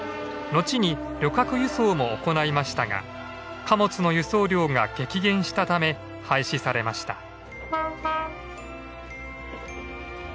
後に旅客輸送も行いましたが貨物の輸送量が激減したため廃止されました。